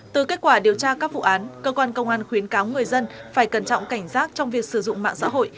từ kết quả điều tra các vụ án cơ quan công an khuyến cáo người dân phải cẩn trọng cảnh giác trong việc sử dụng mạng xã hội